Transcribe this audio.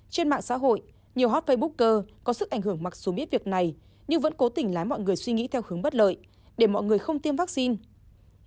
trong xã hội nhiều hotfabbooker có sức ảnh hưởng mặc dù biết việc này nhưng vẫn cố tình lái mọi người suy nghĩ theo hướng bất lợi để mọi người không tiêm vaccine